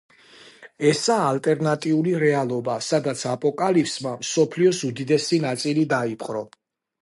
ესაა ალტერნატიული რეალობა, სადაც აპოკალიფსმა მსოფლიოს უდიდესი ნაწილი დაიპყრო.